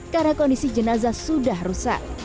karena kondisi jenazah sudah rusak